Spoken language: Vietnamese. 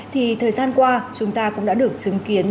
thì thời gian qua chúng ta cũng đã được chứng kiến